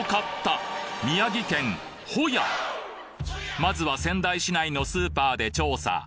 まずは仙台市内のスーパーで調査！